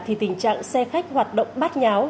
thì tình trạng xe khách hoạt động bắt nháo